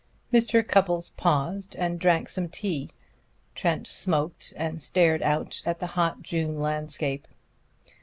Mr. Cupples paused and drank some tea. Trent smoked and stared out at the hot June landscape.